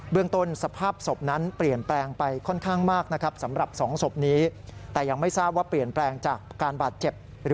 เบื้องตนสภาพศพนั้นเปลี่ยนแปลงไปค่อนข้างมากนะครับ